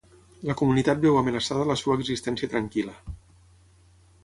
La comunitat veu amenaçada la seva existència tranquil·la.